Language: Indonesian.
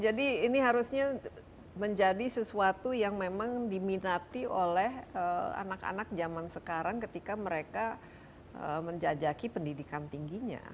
jadi ini harusnya menjadi sesuatu yang memang diminati oleh anak anak zaman sekarang ketika mereka menjajaki pendidikan tingginya